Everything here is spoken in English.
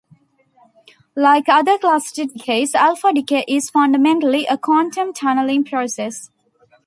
Like other cluster decays, alpha decay is fundamentally a quantum tunneling process.